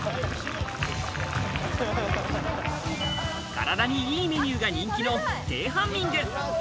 体にいいメニューが人気のテハンミング。